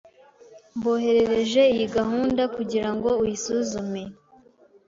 Mboherereje iyi gahunda kugirango uyisuzume.